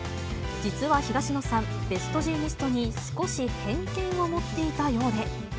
実は東野さん、ベストジーニストに少し偏見を持っていたようで。